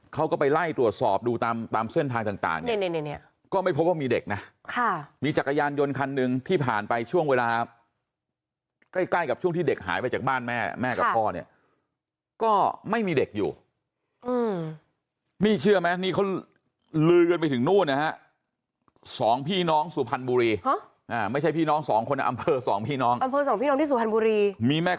เขาก็ไปไล่ตรวจสอบดูตามตามเส้นทางต่างต่างเนี้ยเนี้ยเนี้ยเนี้ยก็ไม่พบว่ามีเด็กนะค่ะมีจักรยานยนต์คันหนึ่งที่ผ่านไปช่วงเวลาใกล้ใกล้กับช่วงที่เด็กหายไปจากบ้านแม่แม่กับพ่อเนี้ยก็ไม่มีเด็กอยู่อืมนี่เชื่อไหมนี่เขาลือเกินไปถึงนู่นอะฮะสองพี่น้องสุพันธ์บุรี